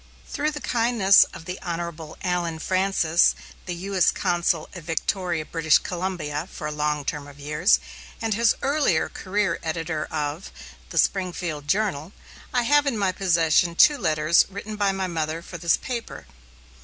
Through the kindness of the Hon. Allen Francis, U.S. Consul at Victoria, British Columbia, for a long term of years, and in his earlier career editor of The Springfield Journal, I have in my possession two letters written by my mother for this paper.